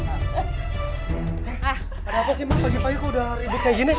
eh pada apa sih mbak pagi pagi aku udah ribet kayak gini